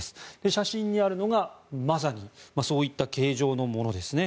写真にあるのが、まさにそういった形状ものですね。